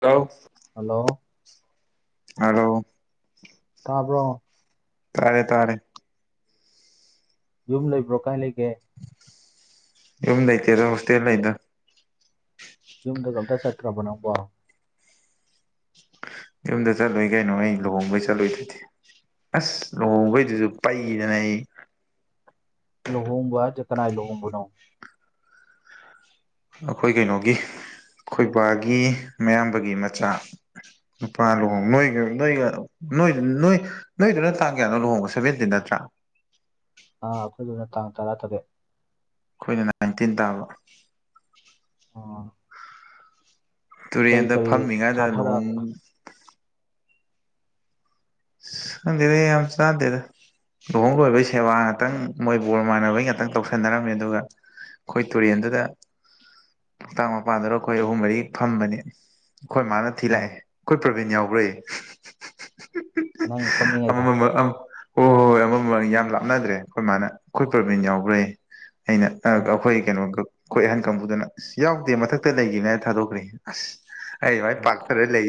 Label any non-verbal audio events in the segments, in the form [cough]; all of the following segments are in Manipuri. ꯍꯜꯂꯣ ꯍꯦꯜꯂꯣ ꯍꯦꯜꯂꯣ ꯇꯥꯕ꯭ꯔꯣ ꯇꯥꯔꯦ ꯇꯥꯔꯦ ꯌꯨꯝ ꯂꯩꯕ꯭ꯔꯣ ꯀꯥꯏ ꯂꯩꯒꯦ ꯌꯨꯝ ꯂꯩꯇꯦꯗꯥ ꯍꯣꯁꯇꯦꯜ ꯂꯩꯗ ꯌꯨꯝꯗꯒꯥ ꯑꯃꯇ ꯆꯠꯇ꯭ꯔꯕꯣ ꯅꯪꯕꯣ ꯌꯨꯝꯗ ꯆꯠꯂꯨꯏ ꯀꯩꯅꯣ ꯑꯩ ꯂꯨꯍꯣꯡꯕꯩ ꯆꯠꯂꯨꯏꯗꯨꯗꯤ ꯑꯁ ꯂꯨꯍꯣꯡꯕꯩꯗꯨꯁꯨ ꯄꯩꯗꯅ ꯑꯩ ꯂꯨꯍꯣꯡꯕ ꯍꯥꯏꯁꯦ ꯀꯅꯥꯏ ꯂꯨꯍꯣꯡꯕꯅꯣ ꯑꯩꯈꯣꯏ ꯀꯩꯅꯣꯒꯤ ꯑꯩꯈꯣꯏꯕꯥꯒꯤ ꯃꯌꯥꯝꯕꯒꯤ ꯃꯆꯥ ꯅꯨꯄꯥ ꯂꯨꯍꯣꯡ ꯅꯣꯏ ꯅꯣꯏ ꯅꯣꯏ ꯅꯣꯏ ꯅꯣꯏꯗꯨꯅ ꯇꯥꯡ ꯀꯌꯥꯅꯣ ꯂꯨꯍꯣꯡꯕ ꯁꯦꯕꯦꯟꯇꯤꯟ ꯅꯠꯇ꯭ꯔꯥ ꯑꯥ ꯑꯩꯈꯣꯏꯗꯨꯅ ꯇꯥꯡ ꯇꯔꯥꯇꯔꯦꯠ ꯑꯩꯈꯣꯏꯅ ꯅꯥꯏꯟꯇꯤꯟ ꯇꯥꯕ ꯑꯣ ꯇꯨꯔꯦꯟꯗ ꯐꯝꯃꯤꯉꯩꯗ ꯂꯨꯍꯣꯡ ꯆꯥꯊꯔꯛꯑꯕ ꯑꯁ ꯈꯪꯗꯦꯗ ꯌꯥꯝ ꯆꯥꯗꯦꯗ ꯂꯨꯍꯣꯡ ꯂꯣꯏꯕꯩ ꯁꯦꯕꯥ ꯉꯥꯛꯇꯪ ꯃꯣꯏ ꯕꯣꯔ ꯃꯥꯟꯅꯕꯩ ꯉꯥꯛꯇꯪ ꯇꯧꯁꯟꯅꯔꯝꯃꯦ ꯑꯗꯨꯒ ꯑꯩꯈꯣꯏ ꯇꯨꯔꯦꯟꯗꯨꯗ ꯇꯨꯌꯦꯟ ꯃꯄꯥꯟꯗꯨꯗ ꯑꯩꯈꯣꯏ ꯑꯍꯨꯝ ꯃꯔꯤ ꯐꯝꯕꯅꯤ ꯑꯩꯈꯣꯏ ꯑꯥ ꯃꯥꯅ ꯥꯊꯤꯂꯥꯛꯑꯦ ꯑꯩꯈꯣꯏ ꯄ꯭ꯔꯕꯤꯟ ꯌꯥꯎꯕ꯭ꯔꯌꯦ ꯅꯪꯅ ꯐꯝꯃꯤꯉꯩꯗ ꯑꯪ ꯍꯣꯏ ꯍꯣꯏ ꯍꯣꯏ ꯑꯃꯃꯝ ꯌꯥꯝ ꯂꯥꯞꯅꯗ꯭ꯔꯦ ꯑꯩꯈꯣꯏ ꯃꯥꯅ ꯑꯩꯈꯣꯏ ꯄ꯭ꯔꯕꯤꯟ ꯌꯥꯎꯕ꯭ꯔꯥꯌꯦ ꯑꯩꯅ ꯑꯥ ꯑꯩꯈꯣꯏ ꯀꯩꯅꯣꯒ ꯑꯩꯈꯣꯏ ꯑꯍꯟ ꯀꯥꯡꯕꯨꯗꯅ ꯑꯁ ꯌꯥꯎꯗꯦ ꯃꯊꯛꯇ ꯂꯩꯈꯤꯕꯅꯦ ꯍꯥꯏꯔꯒ ꯊꯥꯗꯣꯛꯈ꯭ꯔꯦ ꯑꯁ ꯑꯩ ꯃꯥꯏ ꯑꯥ ꯄꯥꯛꯊꯥꯔꯒ ꯂꯩ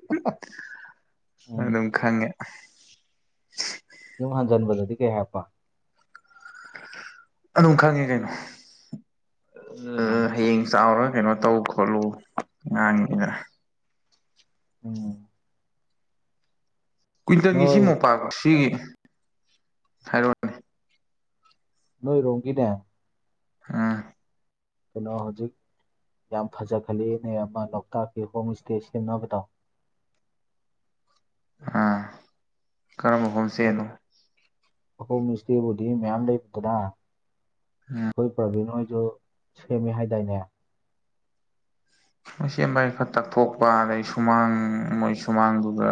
[inaudible] ꯑꯗꯨꯝ ꯎꯝ ꯈꯪꯉꯦ ꯌꯨꯝ ꯍꯟꯖꯟꯕꯗꯗꯤ ꯀꯩ ꯍꯥꯏꯔꯛꯄ ꯑꯗꯨꯝ ꯈꯪꯉꯦ ꯀꯩꯅꯣ ꯎꯝ ꯍꯌꯦꯡ ꯆꯥꯎꯔꯒ ꯀꯩꯅꯣ ꯇꯧ ꯈꯣꯠꯂꯨ ꯉꯥꯡꯉꯦ ꯈꯔ ꯎꯝ ꯀ꯭ꯋꯤꯟꯇꯜꯒꯤ ꯁꯤ ꯅꯣꯏ ꯃꯣꯝꯄꯥꯛꯁꯤ ꯍꯥꯏꯔꯛꯑꯣꯅꯦ ꯅꯣꯏ ꯔꯣꯝꯒꯤꯅꯦ ꯎꯝ ꯀꯩꯅꯣ ꯍꯧꯖꯤꯛ ꯌꯥꯝ ꯐꯖꯈꯜꯂꯤꯅꯦ ꯑꯃ ꯂꯣꯛꯇꯥꯛꯀꯤ ꯍꯣꯝ ꯁ꯭ꯇꯦ ꯁꯦꯝꯅꯕꯗꯣ ꯑꯥ ꯀꯔꯝꯕ ꯍꯣꯝ ꯍꯥꯏꯕꯗꯤ ꯍꯣꯝ ꯁ꯭ꯇꯦꯕꯨꯗꯤ ꯃꯌꯥꯝ ꯂꯩꯗꯅ ꯎꯝ ꯑꯩꯈꯣꯏ ꯄ꯭ꯔꯕꯤꯟ ꯍꯣꯏꯗꯨ ꯁꯦꯝꯃꯦ ꯍꯥꯏꯗꯥꯏꯅꯦ ꯃꯣꯏꯁꯦꯝꯕ ꯍꯥꯏꯁꯦ ꯈꯔ ꯇꯛꯊꯣꯛꯄ ꯑꯗꯩ ꯁꯨꯃꯥꯡ ꯃꯣꯏ ꯁꯨꯃꯥꯡꯗꯨꯒ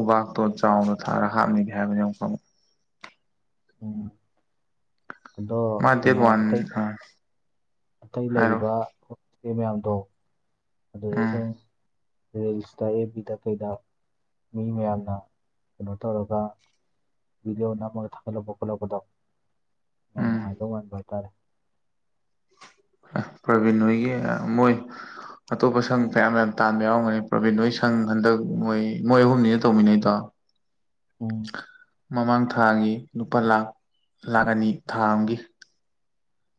ꯎꯕꯥꯛꯇꯣ ꯆꯥꯎꯅ ꯊꯥꯔꯒ ꯍꯥꯞꯅꯤꯒ ꯍꯥꯏꯕꯅꯤ ꯎꯝ ꯑꯗꯣ ꯃꯥ ꯗꯦꯠ ꯀꯩꯅꯣ ꯋꯥꯟ ꯑꯇꯩ ꯑꯇꯩ ꯑꯥ ꯑꯇꯩ ꯍꯥꯏꯔꯛꯑꯣ ꯂꯩꯔꯤꯕ ꯍꯣꯝ ꯇ꯭ꯁꯦ ꯃꯌꯥꯝꯗꯣ ꯑꯗꯨꯒ ꯎꯝ ꯁꯨꯝ ꯔꯤꯜꯁꯇ ꯑꯦꯞꯕꯤꯗ ꯀꯩꯗ꯫ ꯃꯤ ꯃꯌꯥꯝꯅ ꯀꯩꯅꯣ ꯇꯧꯔꯒ꯫ ꯕꯤꯗꯤꯑꯣ ꯅꯝꯃꯒ ꯊꯥꯒꯠꯂꯛꯄ ꯈꯣꯠꯂꯛꯄꯗꯣ ꯌꯥꯝ ꯎꯝ ꯅꯨꯡꯉꯥꯏꯗꯧꯕ ꯃꯥꯟꯕ ꯍꯥꯏꯇꯥꯔꯦ꯫ ꯄ꯭ꯔꯕꯤꯟ ꯍꯣꯏꯒꯤ ꯑ ꯃꯣꯏ ꯑꯇꯣꯞꯄ ꯁꯪ ꯀꯌꯥꯝ ꯃꯌꯥꯝ ꯇꯥꯟꯕ ꯌꯥꯎꯔꯝꯒꯅꯤ ꯄ꯭ꯔꯕꯤꯟ ꯅꯣꯏ ꯁꯪ ꯍꯟꯗꯛ ꯃꯣꯏ ꯃꯣꯏ ꯑꯍꯨꯝꯅꯤꯅ ꯇꯧꯃꯤꯟꯅꯩꯗꯣ꯫ ꯎꯝ ꯫ ꯃꯃꯥꯡ ꯊꯥꯒꯤ ꯂꯨꯄꯥ ꯂꯥꯛ ꯂꯥꯛ ꯑꯅꯤ ꯊꯥ ꯑꯃꯒꯤ꯫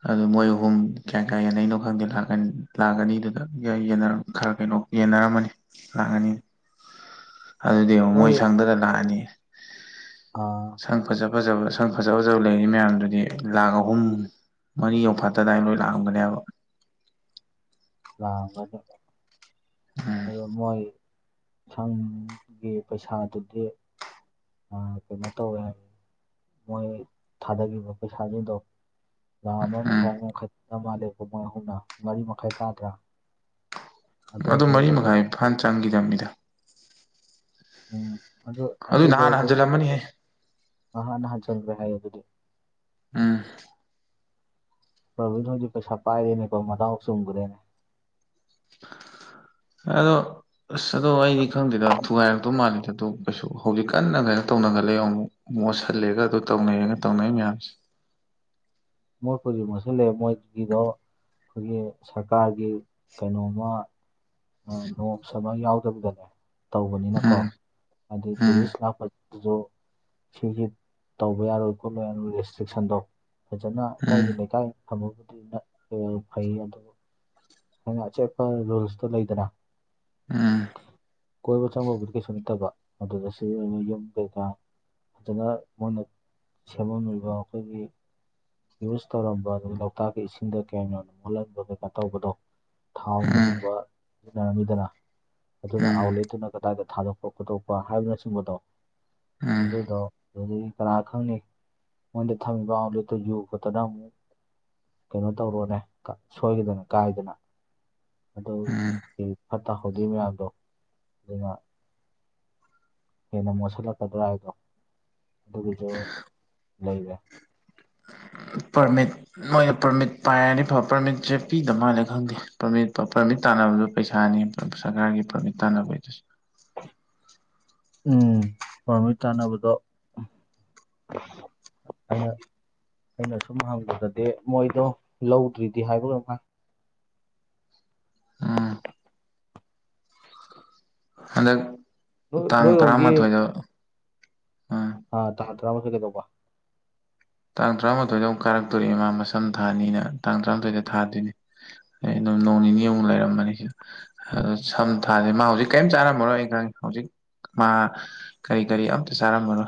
ꯑꯗꯨ ꯃꯣꯏ ꯑꯍꯨꯝ ꯀꯌꯥ ꯀꯌꯥ ꯌꯥꯟꯅꯩꯅꯣ ꯈꯪꯗꯦ ꯂꯥꯛ ꯑꯅꯤ ꯂꯥꯛꯅꯤꯗꯨꯗ [unintelligible] ꯈꯔ ꯀꯩꯅꯣ꯫ ꯌꯦꯟꯅꯔꯝꯃꯅꯤ ꯂꯥꯛꯑꯅꯤ ꯑꯗꯨꯗꯤ ꯌꯦꯡꯉꯣ ꯃꯣꯏ ꯁꯪꯗꯨꯗ ꯂꯥꯛꯑꯅꯤ꯫ ꯑꯥ꯫ ꯁꯪ ꯐꯖ ꯐꯖꯕ ꯁꯪ ꯐꯖ ꯐꯖꯕ ꯂꯩꯔꯤ ꯃꯌꯥꯝꯗꯨꯗꯤ ꯂꯥꯛ ꯑꯍꯨꯝ꯫ ꯃꯔꯤ ꯌꯧꯐꯠꯇꯗꯥꯢ ꯑꯗꯨꯏ ꯂꯥꯛꯑꯝꯒꯅꯦꯕ꯫ ꯂꯥꯛꯑꯝꯒꯅꯤ ꯎꯝ ꯑꯗꯣ ꯃꯣꯏ꯫ ꯁꯪꯒꯤ ꯄꯩꯁꯥꯗꯨꯗꯤ꯫ ꯑ ꯀꯩꯅꯣ ꯇꯧꯋꯦ ꯃꯣꯏ ꯊꯥꯗꯈꯤꯕ ꯄꯩꯁꯥꯁꯤꯡꯗꯣ ꯂꯥꯛ ꯑꯃ ꯎꯝ ꯃꯈꯥꯏ ꯑꯃ ꯃꯈꯥꯏ ꯑꯃ ꯂꯦꯞꯄ ꯃꯣꯏ ꯑꯍꯨꯝꯅ ꯃꯔꯤ ꯃꯈꯥꯏ ꯇꯥꯗ꯭ꯔꯥ꯫ ꯑꯗꯨ ꯑꯗꯨꯗꯤ ꯃꯔꯤ ꯑꯗꯨꯝ ꯃꯈꯥꯏ ꯐꯥꯅ ꯆꯪꯈꯤꯗꯕꯅꯤꯗ꯫ ꯎꯝ ꯑꯗꯨ ꯑꯗꯨꯗꯣ ꯅꯍꯥꯟꯅ ꯑꯗꯨꯝ ꯍꯟꯖꯤꯜꯂꯝꯃꯅꯤꯍꯦ ꯃꯍꯥꯛꯅ ꯍꯟꯖꯤꯟꯁꯦ ꯍꯥꯏ ꯑꯗꯨꯗꯤ꯫ ꯎꯝ ꯄꯔꯕꯤꯟ ꯍꯣꯏꯗꯤ ꯄꯩꯁꯥ ꯄꯥꯏꯔꯦ ꯅꯦꯀꯣ ꯃꯗꯥꯎ ꯆꯨꯝꯒ꯭ꯔꯦꯅꯦ꯫ ꯑꯗꯣ ꯑꯁ ꯑꯗꯣ ꯑꯩꯗꯤ ꯈꯪꯗꯦꯗ ꯊꯨꯒꯥꯏꯔꯛꯇꯧ ꯃꯥꯜꯂꯤꯗ ꯑꯗꯨ ꯀꯩꯁꯨ ꯍꯧꯖꯤꯛ ꯀꯟꯅ ꯀꯩꯅꯣ ꯇꯧꯅꯈꯠꯂꯦ ꯑꯃꯨꯛ ꯃꯣꯠꯁꯜꯂꯦꯒ ꯑꯗꯨ ꯇꯧꯅꯩꯌꯦꯒ꯫ ꯇꯧꯅꯩ ꯃꯌꯥꯝꯁꯦ ꯃꯣꯠꯄꯨꯗꯤ ꯃꯣꯠꯁꯜꯂꯛꯑꯦ ꯃꯣꯏꯒꯤꯗꯣ ꯑꯩꯈꯣꯏꯒꯤ ꯁꯔꯀꯥꯔꯒꯤ ꯀꯩꯅꯣꯝꯃ ꯅꯣꯞꯁ ꯑꯃ ꯌꯥꯎꯗꯕꯤꯗꯅꯦ ꯇꯧꯕꯅꯤꯅꯀꯣ ꯎꯝ ꯍꯥꯏꯗꯤ ꯇꯨꯔꯤꯁ ꯂꯥꯛꯄ ꯑꯗꯨ ꯁꯤꯗꯤ ꯇꯧꯕ ꯌꯥꯔꯣꯏ ꯈꯣꯠꯂꯣꯏꯅ ꯔꯦꯁꯇ꯭ꯔꯤꯛꯁꯟꯗꯣ ꯐꯖꯅ ꯑꯗꯥꯏꯒꯤ ꯂꯩꯀꯥꯏ ꯊꯝꯃꯕꯨꯗꯤ ꯐꯩ ꯑꯗꯨꯕꯨ ꯑꯩꯅ ꯑꯆꯦꯠꯄ ꯂꯩꯗꯅ꯫ ꯎꯝ ꯀꯣꯏꯕ ꯆꯠꯄꯕꯨꯗꯤ ꯀꯩꯁꯨ ꯅꯠꯇꯕ ꯑꯗꯨꯗꯁꯤ ꯌꯨꯝ ꯀꯩꯀꯥ ꯐꯖꯅ ꯃꯣꯏꯅ ꯁꯦꯝꯃꯝꯃꯤꯕ ꯑꯩꯈꯣꯏꯒꯤ ꯌꯨꯁ ꯇꯧꯔꯝꯕ ꯑꯗꯒꯤ ꯂꯣꯛꯇꯥꯛꯀꯤ ꯏꯁꯤꯡꯗ ꯀꯌꯥꯝ ꯌꯥꯝꯅ ꯃꯣꯠꯍꯟꯕ ꯀꯩꯀꯥ ꯇꯧꯕꯗꯣ ꯊꯥꯎꯅ ꯆꯤꯡꯕ꯫ ꯁꯤꯖꯤꯟꯅꯔꯝꯃꯤꯗꯅ ꯑꯗꯨꯅ ꯑꯥꯎꯠꯂꯦꯠꯇꯨꯅ ꯀꯗꯥꯏꯗ ꯊꯥꯗꯣꯛꯄ ꯈꯣꯠꯇꯣꯛꯄ ꯍꯥꯏꯕꯅꯆꯤꯡꯕꯗꯣ ꯑꯗꯨꯗꯣ ꯑꯗꯨꯗꯒꯤ ꯀꯅꯥꯥ ꯈꯪꯅꯤ ꯃꯣꯏꯅ ꯊꯝꯃꯤꯕ ꯑꯥꯎꯠꯂꯦꯠꯇꯨ ꯌꯨ ꯈꯣꯠꯇꯅ ꯑꯃꯨꯛ ꯀꯩꯅꯣ ꯇꯧꯔꯣꯅꯦ ꯁꯣꯏꯒꯤꯗꯅ ꯀꯥꯏꯗꯅ ꯑꯗꯨ ꯐꯠꯇ ꯍꯧꯗꯤ ꯃꯌꯥꯝꯗꯣ ꯑꯗꯨꯅ ꯍꯦꯟꯅ ꯃꯣꯠꯁꯤꯜꯂꯛꯀꯗ꯭ꯔꯥ ꯍꯥꯏꯗꯣ ꯑꯗꯨꯒꯤꯁꯨ ꯂꯩꯔꯦ꯫ ꯄꯔꯃꯤꯠ ꯃꯣꯏꯅ ꯄꯔꯃꯤꯠ ꯄꯥꯏꯔꯗꯤ ꯐ ꯄꯔꯃꯤꯠꯁꯦ ꯄꯤꯗ ꯃꯥꯜꯂꯦ ꯈꯪꯗꯦ ꯄꯔꯃꯤꯠ ꯄꯔꯃꯤꯠ ꯇꯥꯟꯅꯕꯗꯣ ꯄꯩꯁꯥꯅꯦꯕ꯫ ꯁꯔꯀꯥꯔꯒꯤ ꯄꯔꯃꯤꯠ ꯇꯥꯟꯅꯕꯒꯤꯗꯁꯨ꯫ ꯎꯝ ꯄꯔꯃꯤꯠ ꯇꯥꯟꯅꯕꯗꯣ ꯑꯩꯅ [unintelligible] ꯑꯩꯅ ꯁꯨꯝ ꯍꯪꯕꯗꯗꯤ ꯃꯣꯏꯗꯣ ꯂꯧꯗ꯭ꯔꯤꯗꯤ ꯍꯥꯏꯕ꯭ꯔ ꯀꯩꯅꯣꯝ ꯍꯥꯢ ꯎꯝ ꯍꯟꯗꯛ ꯇꯥꯡ ꯅꯣꯏꯔꯣꯝꯒꯤ ꯇꯔꯥꯃꯥꯊꯣꯏꯗ ꯎꯝ ꯑ ꯇꯥꯡ ꯇꯔꯥꯃꯥꯊꯣꯢ ꯀꯩꯗꯧꯕ ꯇꯥꯡ ꯇꯔꯥꯃꯥꯊꯣꯏꯗ ꯑꯃꯨꯛ ꯀꯥꯔꯛꯇꯣꯢꯅꯦ ꯃꯥ ꯃꯁꯝ ꯊꯥꯅꯤꯅ ꯇꯥꯡ ꯇꯔꯥꯃꯥꯊꯣꯏꯗ ꯊꯥꯗꯣꯏꯅꯦ ꯑꯩ ꯑꯗꯨꯝ ꯅꯣꯡ ꯅꯤꯅꯤꯃꯨꯛ ꯂꯩꯔꯝꯕꯅꯤꯁꯤꯗ ꯑꯗꯨ ꯁꯝ ꯊꯥꯔꯤ ꯃꯥ ꯍꯧꯖꯤꯛ ꯀꯔꯤꯝ ꯆꯥꯟꯔꯝꯃꯔꯣ ꯑꯩ ꯈꯪꯉꯦ ꯍꯧꯖꯤꯛ ꯃꯥ ꯀꯔꯤ ꯀꯔꯤ ꯑꯝꯇ ꯆꯥꯔꯝꯃꯔꯣꯏ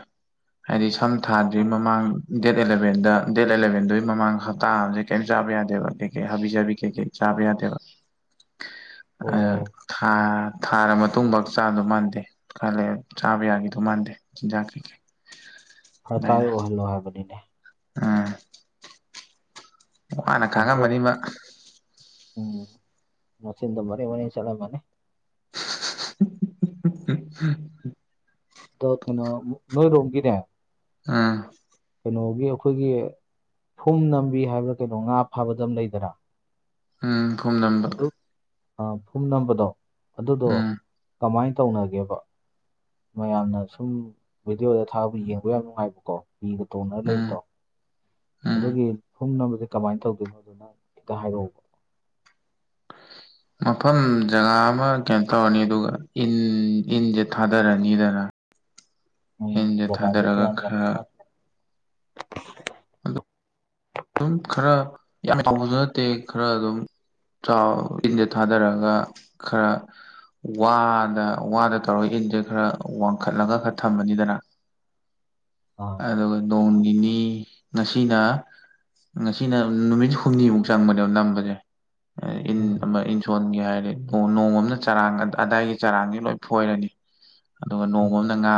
ꯍꯥꯏꯗꯤ ꯁꯝ ꯊꯥꯗ꯭ꯔꯤ ꯑ ꯃꯃꯥꯡ ꯗꯦꯠ ꯑꯦꯂꯕꯦꯟꯗ ꯗꯦꯠ ꯑꯦꯂꯕꯦꯟꯗꯨꯒꯤ ꯃꯃꯥꯡ ꯍꯞꯇꯥ ꯑꯃꯗꯤ ꯀꯔꯤꯝ ꯆꯥꯕ ꯌꯥꯗꯦꯕ ꯀꯩꯀꯩ ꯍꯥꯕꯤꯖꯥꯕꯤ ꯀꯩꯀꯩ ꯆꯥꯕꯤ ꯌꯥꯗꯦꯕ ꯑ ꯑꯣ ꯊꯥꯥ ꯊꯥꯔ ꯃꯇꯨꯡꯐꯥꯎ ꯆꯥꯗꯣ ꯃꯥꯟꯗꯦ ꯈꯜꯂꯦ ꯆꯥꯕ ꯌꯥꯈꯤꯗꯣ ꯃꯥꯟꯗꯦ ꯆꯤꯟꯖꯥꯛ ꯀꯩꯀꯩ ꯐꯔꯇꯥꯏ ꯑꯣꯏꯍꯜꯂꯣ ꯍꯥꯏꯕꯅꯤꯅꯦ ꯑꯝ ꯋꯥꯅ ꯑꯗꯣ ꯈꯥꯡꯉꯝꯃꯅꯤꯃꯥ ꯎꯝ ꯃꯆꯤꯟꯗꯨ ꯃꯔꯦꯡ ꯃꯔꯦꯡ ꯆꯠꯂꯝꯃꯅꯤ ꯍꯤ ꯗꯣ ꯀꯩꯅꯣ ꯅꯣꯏ ꯔꯣꯝꯒꯤꯅꯦ ꯑꯥ ꯀꯩꯅꯣꯒꯤ ꯑꯩꯈꯣꯏꯒꯤ ꯐꯨꯝ ꯅꯝꯕꯤ ꯍꯥꯏꯕ꯭ꯔꯥ ꯀꯩꯅꯣ ꯉꯥ ꯐꯥꯕꯗ ꯑꯃ ꯂꯩꯗꯅ ꯎꯝ ꯐꯨꯝꯅꯝꯕ ꯑꯗꯨ ꯐꯨꯝ ꯅꯝꯕꯗꯣ ꯑꯗꯨꯗꯣ ꯎꯝ ꯀꯃꯥꯏꯅ ꯇꯧꯅꯒꯦꯕ ꯃꯌꯥꯝꯅ ꯁꯨꯝ ꯚꯤꯗꯤꯑꯣꯗ ꯊꯥꯕ ꯌꯦꯡꯕ ꯌꯥꯝ ꯅꯨꯡꯉꯥꯏꯕꯀꯣ ꯍꯤꯒ ꯇꯣꯡꯅꯔ ꯎꯝ ꯂꯩꯕꯗꯣ ꯎꯝ ꯑꯗꯨꯒꯤ ꯐꯨꯝꯅꯝꯕꯁꯦ ꯀꯃꯥꯏꯅ ꯇꯧꯗꯣꯏꯅꯣꯗꯨ ꯅꯪꯅꯥ ꯈꯤꯇꯡ ꯍꯥꯏꯔꯛꯎꯕ inaudible ꯃꯐꯝ ꯖꯒꯥ ꯑꯃ ꯀꯩꯅꯣ ꯇꯧꯔꯅꯤ ꯑꯗꯨꯒ ꯏꯟ ꯏꯟꯁꯦ ꯊꯥꯗꯔꯅꯤꯗꯅ ꯎꯝ ꯏꯟꯖꯦ ꯖꯒꯥꯁꯦ ꯊꯗꯔꯒ ꯀꯌꯥꯝ ꯀꯌꯥꯝ ꯈꯔ ꯄꯥꯛ ꯑꯗꯨꯝ ꯈꯔ ꯌꯥꯝ ꯇꯧꯕꯁꯨ ꯅꯠꯇꯦ ꯈꯔ ꯑꯗꯨꯝ ꯏꯟꯖ ꯊꯥꯗꯔꯒ ꯈꯔ ꯋꯥꯗ ꯋꯥꯗ ꯇꯧꯔꯒ ꯏꯟꯁꯦ ꯈꯔ ꯋꯥꯡꯈꯠꯂꯒ ꯊꯝꯃꯅꯤꯗꯅ inaudible ꯑ ꯑꯗꯨꯒ ꯅꯣꯡꯅꯤꯅꯤ ꯉꯁꯤꯅ ꯉꯁꯤꯅ ꯅꯨꯃꯤꯠ ꯍꯨꯝꯅꯤꯃꯨꯛ ꯆꯪꯕꯅꯦꯕ ꯅꯝꯕꯁꯦ ꯎꯝ ꯏꯟꯁꯣꯟꯒꯦ ꯍꯥꯏꯔꯗꯤ ꯅꯣꯡꯃ ꯑꯃꯅ ꯆꯔꯥꯡꯁꯦ ꯑꯗꯥꯏꯒꯤ ꯆꯔꯥꯡꯗꯤ ꯂꯣꯏ ꯐꯣꯏꯔꯅꯤ ꯑꯗꯨꯒ ꯅꯣꯡꯃ ꯑ ꯎꯝ ꯑꯃꯅ ꯉꯥ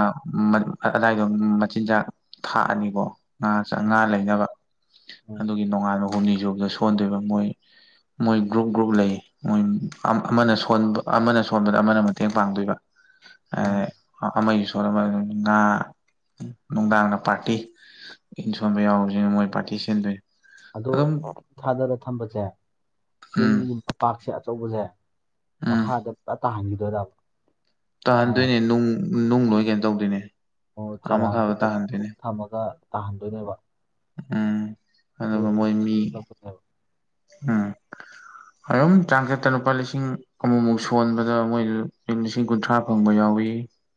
ꯑꯗꯥꯏꯗꯣ ꯃꯆꯤꯟꯖꯥꯛ ꯊꯥꯛꯑꯅꯤꯀꯣ ꯉꯥ ꯎꯝ ꯆꯥꯉꯥ ꯂꯩꯅꯕ ꯎꯝ ꯑꯗꯨꯒꯤ ꯅꯣꯡꯉꯥꯟꯕ ꯍꯨꯝꯅꯤꯖꯨꯕꯗ ꯁꯣꯟꯗꯣꯏꯕ ꯃꯣꯏ ꯃꯣꯏ ꯒ꯭ꯔꯨꯞ ꯒ꯭ꯔꯨꯞ ꯂꯩ ꯑ ꯑꯃꯅ ꯁꯣꯟ ꯑꯃꯅ ꯁꯣꯟꯕꯗ ꯑꯃꯅ ꯃꯇꯦꯡ ꯄꯥꯡꯗꯣꯏꯕ ꯎꯝ ꯑꯃꯒꯤꯁꯨ ꯁꯣꯕ ꯑꯗꯨ ꯉꯥ ꯅꯨꯡꯗꯥꯡꯅ ꯄꯥꯔꯇꯤ ꯏꯟ ꯁꯣꯟꯕ ꯌꯥꯎꯔꯨꯁꯤꯅ ꯃꯣꯏ ꯄꯥꯔꯇꯤ ꯁꯦꯝꯗꯣꯏꯅꯦ ꯑꯗꯣ ꯊꯥꯗꯔ ꯊꯝꯕꯁꯦ ꯎꯝ ꯏꯟꯒꯤ ꯃꯄꯥꯛꯁꯦ ꯑꯆꯧꯕꯁꯦ ꯎꯝ ꯃꯈꯥꯗ ꯄ ꯇꯥꯍꯟꯈꯤꯗꯣꯢꯔꯕ ꯇꯥꯍꯟꯗꯣꯏꯅꯦ ꯅꯨꯡ ꯅꯨꯡ ꯂꯣꯏ ꯀꯩꯅꯣ ꯇꯧꯗꯣꯏꯅꯦ ꯑꯣ ꯑꯥ ꯆꯔꯥꯡꯁꯤ ꯃꯈꯥꯗ ꯂꯣꯏ ꯄꯨ ꯇꯥꯍꯟꯗꯣꯏꯅꯦ ꯊꯝꯃꯒ ꯇꯥꯍꯟꯗꯣꯏꯅꯦꯕ ꯎꯝ ꯑꯗꯨꯒ ꯃꯣꯏ ꯃꯤ [unintelligible] ꯎꯝ ꯑꯗꯨꯝ ꯆꯥꯡꯆꯠꯇ ꯂꯨꯄꯥ ꯂꯤꯁꯤꯡ ꯑꯃꯨꯛꯃꯨꯛ ꯁꯣꯟꯕꯗ ꯃꯣꯏ ꯂꯤꯁꯤꯡ ꯀꯨꯟꯊ꯭ꯔꯥ ꯐꯪꯕ ꯌꯥꯎꯏ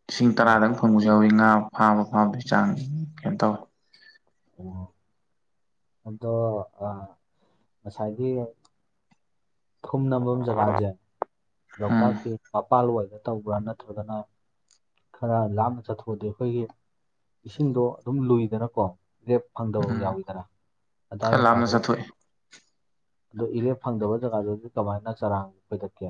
ꯂꯤꯁꯤꯡ ꯇꯔꯥꯗꯪ ꯐꯪꯕꯁꯨ ꯌꯥꯎꯋꯤ ꯉꯥ ꯐꯥꯕ ꯐꯥꯕꯗꯩ ꯆꯥꯡ ꯀꯩꯅꯣ ꯇꯧ ꯑꯣ ꯑꯗꯣ ꯑꯥ ꯉꯁꯥꯏꯒꯤ ꯐꯨꯝ ꯅꯝꯐꯝ ꯖꯒꯥꯥꯟꯁꯦ ꯎꯝ ꯂꯣꯛꯇꯥꯛꯀꯤ ꯃꯄꯥꯜꯋꯥꯏꯗ ꯇꯧꯕ꯭ꯔꯥ ꯅꯠꯇ꯭ꯔꯒꯅ ꯈꯔ ꯂꯥꯞꯅ ꯆꯠꯊꯣꯛꯑꯗꯤ ꯑꯩꯈꯣꯏꯒꯤ ꯏꯁꯤꯡꯗꯣ ꯑꯗꯨꯝ ꯂꯨꯏꯗꯅꯀꯣ ꯂꯦꯞ ꯐꯪꯗꯕꯕꯥꯎ ꯎꯝ ꯌꯥꯎꯋꯤꯗꯅ ꯑꯗꯥꯏ ꯈꯔ ꯂꯥꯞꯅ ꯃꯄꯥꯗꯨꯗ ꯆꯠꯊꯣꯛꯑꯦ ꯑꯗꯣ ꯏꯔꯦꯞ ꯐꯪꯗꯕ ꯖꯒꯥꯗꯨꯗꯤ ꯀꯃꯥꯏꯅ ꯆꯔꯥꯡ ꯐꯣꯏꯗꯠꯀꯦ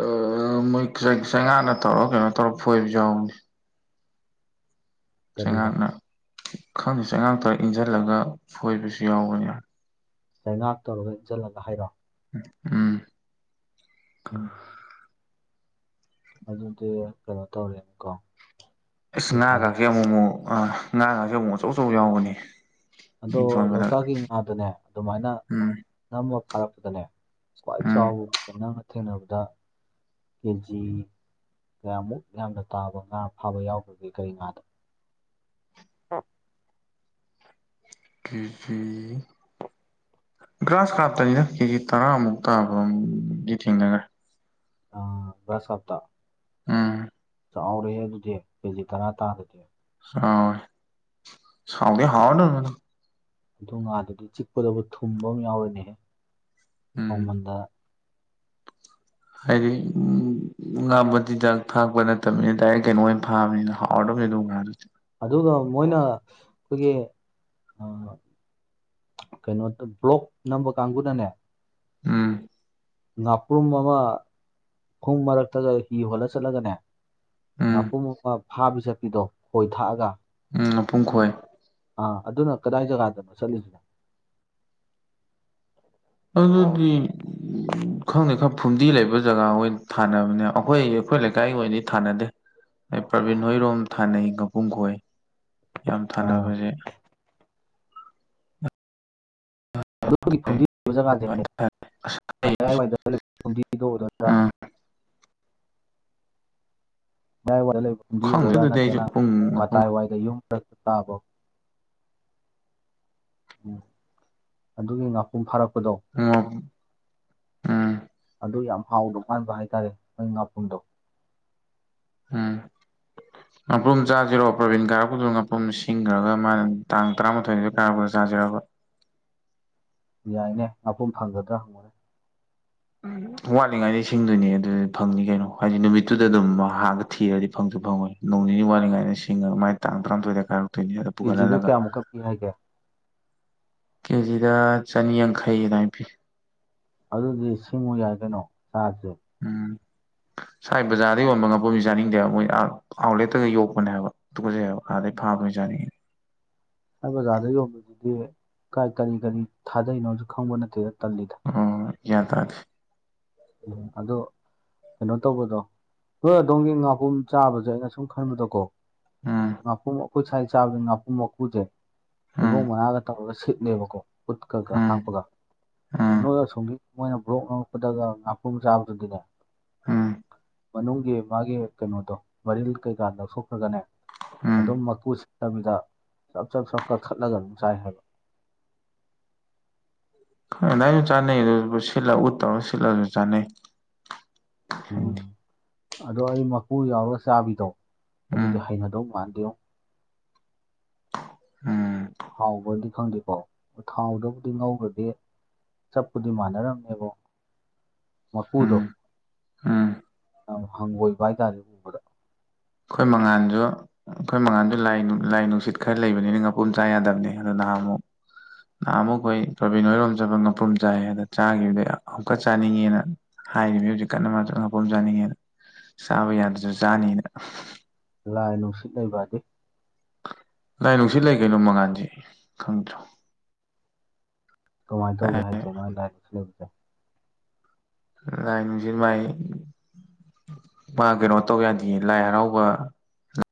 ꯑ ꯃꯣꯏ [unintelligible] ꯆꯉꯥꯛꯅ ꯇꯧꯔꯣ ꯀꯩꯅꯣ ꯇꯧꯔꯣ ꯐꯣꯏꯕꯁꯨ ꯌꯥꯎꯕꯅꯦ ꯒꯥꯔꯤꯗ ꯆꯩꯉꯥꯛꯅ ꯈꯪꯗꯦ ꯆꯩꯉꯥꯛꯇ ꯏꯟꯁꯤꯜꯂꯒ ꯐꯣꯏꯕꯁꯨ ꯌꯥꯎꯕꯅꯦ ꯆꯩꯉꯥꯛ ꯇꯧꯔꯒ ꯏꯟꯁꯤꯜꯂꯒ ꯍꯥꯏꯔꯣ ꯎꯝ ꯎꯝ ꯑꯗꯨꯗꯤ ꯀꯩꯅꯣ ꯇꯧꯔꯦꯀꯣ ꯑꯁ ꯉꯥꯒꯥꯁꯦ ꯑꯃꯨꯛ ꯑꯃꯨꯛ ꯉꯥꯒꯥꯁꯦ ꯑꯃꯨꯛ ꯑꯆꯧ ꯑꯆꯧ ꯌꯥꯎꯕꯅꯦ ꯑꯗꯣ ꯂꯧꯇꯥꯛꯀꯤ ꯉꯥꯗꯅꯦ ꯑꯗꯨꯃꯥꯏꯅ ꯎꯝ ꯅꯝꯃ ꯐꯥꯔꯛꯄꯗꯅꯦ ꯀ꯭ꯋꯥꯏ ꯎꯝ ꯆꯎꯕ ꯅꯪꯅ ꯊꯦꯡꯅꯕꯗ ꯀꯦꯖꯤ ꯀꯌꯥꯃꯨꯛ ꯌꯥꯝꯅ ꯇꯥꯕ ꯉꯥ ꯐꯥꯕ ꯌꯥꯎꯒꯔꯒꯦ ꯀꯔꯤ ꯉꯥꯗꯣ ꯀꯦꯖꯤ ꯒ꯭ꯔꯥꯁ ꯀꯥꯞꯇꯅꯤꯗ ꯀꯦꯖꯤ ꯇꯔꯥꯃꯨꯛ ꯇꯥꯕꯃꯨꯛꯇꯤ ꯊꯦꯡꯅꯔꯦ ꯑ ꯒꯥꯔꯁꯍꯥꯞꯇ ꯎꯝ ꯆꯥꯎꯔꯦꯍꯦ ꯑꯗꯨꯗꯤ ꯀꯦꯖꯤ ꯇꯔꯥ ꯇꯥꯕꯗꯤ ꯆꯥꯎꯑꯦ ꯍꯥꯎꯗꯤ ꯍꯥꯎꯔꯗꯕꯅꯦ ꯑꯗꯨ ꯉꯥꯗꯨꯗꯤ ꯆꯤꯛꯄꯗꯕꯨ ꯊꯨꯝꯕ ꯑꯃ ꯌꯥꯎꯔꯦꯅꯦꯍꯦ ꯎꯝ [unintelligible] ꯃꯟꯗ ꯍꯥꯏꯗꯤ ꯉꯥ ꯃꯆꯤꯟꯖꯛ ꯊꯥꯛꯄ ꯅꯠꯇꯕꯅꯤꯅ ꯗꯥꯏꯔꯦꯛ ꯀꯩꯅꯣ ꯑꯣꯏꯅ ꯐꯥꯕꯅꯤꯅ ꯍꯥꯎꯔꯗꯧꯅꯦ ꯑꯗꯨꯒꯨꯝ ꯉꯥꯗꯨꯗꯤ ꯑꯗꯨꯒ ꯃꯣꯏꯅ ꯑꯩꯈꯣꯏꯒꯤ ꯑ ꯀꯩꯅꯣꯗ ꯕ꯭ꯂꯣꯛ ꯅꯝꯕ ꯀꯥꯡꯕꯨꯅꯅꯦ ꯎꯝ ꯉꯥꯄ꯭ꯔꯨꯝ ꯑꯃ ꯐꯨꯝ ꯃꯔꯛꯇꯒ ꯍꯤ ꯍꯣꯜꯂ ꯆꯠꯂꯒꯅꯦ ꯎꯝ ꯉꯥꯄꯨꯔꯨꯝ ꯑꯃ ꯐꯥꯕꯤ ꯆꯠꯄꯤꯗꯣ ꯈꯣꯏ ꯊꯥꯛꯑꯒ ꯎꯝ ꯃꯄꯨꯡ ꯈꯣꯏ ꯑꯥ ꯑꯗꯨꯅ ꯀꯗꯥꯏ ꯖꯒꯥꯗꯅꯣ ꯆꯠꯂꯤꯁꯤꯅ ꯑꯗꯨꯗꯤ ꯎꯝ ꯈꯪꯗꯦ ꯈꯪꯔ ꯐꯨꯝꯗꯤ ꯂꯩꯕ ꯖꯒꯥ ꯖ ꯊꯥꯅꯕꯅꯦ ꯑꯩꯈꯣꯏ ꯑꯩꯈꯣꯏ ꯂꯩꯀꯥꯏꯒꯤ ꯑꯣꯏꯅꯗꯤ ꯊꯥꯅꯗꯦ ꯑꯦ ꯄ꯭ꯔꯕꯤꯟ ꯍꯣꯏꯔꯣꯝ ꯊꯥꯅꯩ ꯉꯥꯄꯨꯡ ꯈꯣꯏ ꯌꯥꯝ ꯑꯥ ꯊꯥꯅꯕꯁꯦ ꯑꯗꯨꯒꯤ ꯐꯨꯝꯗꯤ ꯂꯩꯕ ꯖꯒꯥꯁꯦ ꯑꯗꯨꯃꯥꯏꯅ ꯊꯥꯏ ꯑꯁ ꯑꯩ ꯃꯌꯥꯏꯋꯥꯏꯗ ꯂꯩꯕ ꯐꯨꯝꯗꯤ [unintelligible] ꯑꯥ ꯃꯌꯥꯏꯋꯥꯏꯗ ꯂꯩꯕ ꯐꯨꯝꯗꯤ ꯈꯪꯗꯦ ꯑꯣꯏꯔꯒ ꯑꯗꯨꯗꯤ ꯑꯩꯁꯨ ꯅꯠꯇ꯭ꯔꯅ ꯄꯨꯡ ꯃꯄꯨꯝ ꯃꯇꯥꯏꯋꯥꯏꯗ ꯌꯨꯝ ꯇꯥꯕ ꯎꯝ ꯑꯗꯨꯒꯤ ꯉꯥꯄꯨꯡ ꯐꯥꯔꯛꯄꯗꯣ ꯎꯝ ꯑꯗꯨ ꯌꯥꯝ ꯍꯥꯎꯗ ꯃꯥꯟꯕ ꯍꯥꯏꯇꯥꯔꯦ ꯃꯣꯏ ꯉꯥꯄꯨꯨꯝꯗꯣ ꯎꯝ ꯉꯥꯄꯔꯨꯝ ꯆꯥꯁꯤꯔꯣ ꯄ꯭ꯔꯕꯤꯟ ꯀꯥꯔꯛꯄꯗꯨꯗ ꯉꯥꯄꯔꯨꯝ ꯁꯤꯡꯒꯔꯒ ꯃꯥꯅ ꯇꯥꯡ ꯇꯔꯥꯃꯥꯊꯣꯏꯗ ꯌꯥꯥꯕ꯭ꯔꯣ ꯆꯥꯖꯤꯔꯕ ꯫ ꯌꯥꯏꯅꯦ ꯉꯄꯔ꯭ꯨꯝ ꯐꯪꯒꯗ꯭ꯔꯥ ꯍꯪꯉꯨꯅꯦ ꯎꯝ ꯋꯥꯠꯂꯤꯉꯩꯗ ꯁꯤꯡꯗꯨꯅꯤ ꯑꯗꯨꯗꯤ ꯐꯪꯅꯤ ꯀꯩꯅꯣ ꯍꯥꯏꯗꯤ ꯅꯨꯃꯤꯠꯇꯨꯗ ꯑꯗꯨꯝ ꯍꯥꯟꯒ ꯊꯤꯔꯗꯤ ꯐꯪꯁꯨ ꯐꯪꯉꯣꯏ ꯅꯣꯡ ꯅꯤꯅꯤ ꯋꯥꯠꯂꯤꯉꯥꯏꯗꯩ ꯁꯤꯡꯉ ꯃꯥꯏ ꯇꯥꯡ ꯇꯔꯥꯃꯊꯣꯏꯗ ꯀꯥꯏ ꯀꯦꯖꯤꯗ ꯀꯌꯥꯃꯨꯛꯀ ꯄꯤ ꯍꯥꯏꯒꯦ ꯀꯦꯖꯤꯗ ꯆꯅꯤꯌꯥꯡꯈꯩ ꯑꯗꯥꯏꯟ ꯄꯤ ꯑꯗꯨꯗꯤ ꯁꯤꯡꯉꯨ ꯌꯥꯏ ꯀꯩꯅꯣ ꯆꯥꯖꯤ ꯎꯝ ꯁꯥꯏ ꯕꯖꯥꯔꯗ ꯌꯣꯟꯕ ꯉꯥꯄꯔ꯭ꯨꯝꯗꯤ ꯆꯥꯅꯤꯡꯗꯦ ꯍꯥꯏꯕ ꯃꯣꯏ ꯑꯥ ꯑꯥꯎꯠꯂꯦꯠꯇꯒ ꯌꯣꯛꯄꯅꯦ ꯍꯥꯏꯕ ꯇꯨꯒꯨꯖꯩ ꯍꯥꯏꯕ ꯑꯥꯗꯩ ꯐꯥꯕ ꯑꯣꯏ ꯆꯥꯅꯤꯡꯉꯤ ꯑꯩ ꯕꯖꯥꯔꯗ ꯌꯣꯟꯕꯗꯨꯗꯤ ꯀꯥꯏ ꯀꯔꯤ ꯀꯔꯤ ꯊꯥꯗꯩꯅꯣꯁꯨ ꯈꯪꯕ ꯅꯠꯇꯦꯗ ꯇꯜꯂꯤꯗ꯫ ꯑꯣ ꯍꯣꯏ ꯍꯣꯏ ꯒꯌ꯭ꯥꯟ ꯇꯥꯗꯤ ꯎꯝ ꯑꯗꯣ ꯀꯩꯅꯣ ꯇꯧꯕꯗꯣ ꯅꯣꯏ ꯑꯗꯣꯝꯒꯤ ꯉꯥꯄꯔ꯭ꯨꯝ ꯆꯥꯕꯖꯦ ꯑꯩꯅ ꯁꯨꯝ ꯈꯟꯕꯗꯣꯀꯣ ꯎꯝ ꯉꯄꯨꯝ ꯑꯈꯣꯏ ꯁꯥꯏ ꯆꯥꯕꯖꯤ ꯉꯥꯄꯨꯝ ꯃꯀꯨꯖꯦ ꯎꯝ ꯍꯩꯕꯣꯡ ꯃꯅꯥꯒ ꯇꯧꯔꯒ ꯁꯤꯠꯂꯦꯕꯀꯣ ꯎꯠꯀꯒ ꯎꯝ ꯍꯥꯞꯄꯒ ꯎꯝ ꯅꯣꯏ ꯑꯁꯣꯝꯒꯤ ꯃꯣꯏꯅ ꯕ꯭ꯂꯣꯛ ꯅꯝꯃꯛꯄꯗꯒꯥꯡ ꯉꯄꯨꯝ ꯆꯥꯕꯗꯨꯗꯤꯅꯦ ꯎꯝ ꯃꯅꯨꯡꯒꯤ ꯃꯥꯒꯤ ꯀꯩꯅꯣꯗꯣ ꯃꯔꯤꯜ ꯀꯩꯀꯥ ꯂꯧꯊꯣꯛꯈ꯭ꯔꯒꯅꯦ ꯎꯝ ꯑꯗꯨꯝ ꯃꯀꯨꯁ ꯇꯕꯤꯗ ꯆꯞ ꯆꯞ ꯆꯞ ꯀꯛꯊꯠꯂꯒ ꯑꯗꯨꯝ ꯆꯥꯏ ꯍꯥꯏꯕ ꯈꯪ ꯗꯥꯏꯅꯖꯨ ꯆꯥꯅꯩ ꯑꯗꯨ ꯁꯤꯠꯂ ꯎꯠ ꯇꯧꯔ ꯁꯤꯠꯂꯒꯁꯨ ꯆꯥꯅꯩ꯫ ꯎꯝ ꯈꯪꯗꯦ ꯑꯗꯣ ꯑꯩ ꯃꯀꯨ ꯌꯥꯎꯔ ꯆꯥꯕꯤꯗꯣ ꯎꯝ ꯑꯗꯨꯗꯤ ꯍꯩꯅꯗꯧ ꯃꯥꯟꯗꯦꯉꯣ ꯎꯝ ꯍꯥꯎꯕꯔ꯭ꯗꯤ ꯈꯪꯗꯦꯀꯣ ꯊꯥꯎꯗꯕꯨꯗꯤ ꯉꯧꯒꯔ꯭ꯗꯤ ꯆꯞꯄꯨꯗꯤ ꯃꯥꯟꯅꯔꯝꯃꯦꯕꯣ ꯎꯝ ꯃꯀꯨꯗꯣ ꯎꯝ ꯌꯥꯝ ꯍꯪꯒꯣꯏꯕ ꯍꯥꯏꯇꯥꯔꯦ ꯎꯕꯗ ꯈꯣꯏ ꯃꯉꯥꯥꯟꯖꯨ ꯈꯣꯏ ꯃꯉꯥꯟꯖꯨ ꯂꯥꯏ ꯅꯨ ꯂꯥꯏ ꯅꯨꯡꯁꯤꯠ ꯈꯔ ꯂꯩꯕꯅꯤꯅ ꯉꯄꯨꯝ ꯆꯥ ꯌꯥꯗꯕꯅꯦ ꯑꯗꯨ ꯅꯍꯥꯟꯃꯨꯛ ꯅꯍꯥꯃꯨꯛ ꯈꯣꯏ ꯔꯣꯕꯤꯟ ꯍꯣꯏꯔꯣꯝ ꯆꯠꯄ ꯉꯥꯄ꯭ꯔꯨꯝ ꯆꯥꯏ ꯑꯗ ꯆꯥꯈꯤꯕꯅꯦ ꯑꯃꯨꯛꯀ ꯆꯥꯅꯤꯡꯉꯦꯅ ꯍꯥꯏꯔꯤꯃꯦ ꯍꯧꯖꯤꯛ ꯀꯟꯅ ꯃꯥꯖꯨ ꯉꯥꯄꯔ꯭ꯨꯝ ꯆꯥꯅꯤꯡꯉꯦꯅ ꯆꯥꯕ ꯌꯥꯗ꯭ꯔꯁꯨ ꯆꯥꯅꯤꯅ ꯂꯥꯏ ꯅꯨꯡꯁꯤꯠ ꯂꯩꯕꯥꯗꯤ ꯂꯥꯏ ꯅꯨꯡꯁꯤꯠ ꯂꯩ ꯀꯩꯅꯣ ꯃꯉꯥꯟꯗꯤ ꯈꯪꯗ꯭ꯔꯣ ꯀꯃꯥꯏꯟ ꯇꯧꯒꯦ ꯍꯥꯏꯖꯦ ꯃꯥ ꯂꯥꯏ ꯅꯨꯡꯁꯤꯠ ꯂꯩꯕꯖꯦ ꯂꯥꯏ ꯅꯨꯡꯁꯤꯠ ꯃꯥꯏ ꯃꯥ ꯀꯩꯅꯣ ꯇꯧ ꯌꯥꯗꯤꯌꯦ ꯂꯥꯏ ꯍꯔꯥꯎꯕ